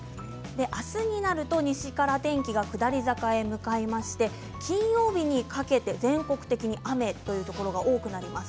明日になると西から天気が下り坂へ向かいまして金曜日にかけて全国的に雨というところが多くなります。